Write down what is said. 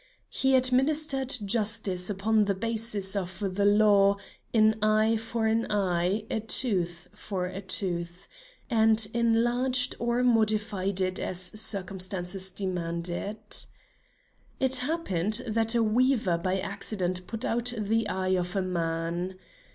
He administered justice upon the basis of the law, 'An eye for an eye, a tooth for a tooth,' and enlarged or modified it as circumstances demanded. It happened that a weaver by accident put out the eye of a man.